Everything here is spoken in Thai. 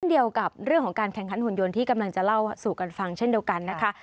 เดียวกับเรื่องของการแข่งขันหุ่นยนต์ที่กำลังจะเล่าสู่กันฟังเช่นเดียวกันนะคะ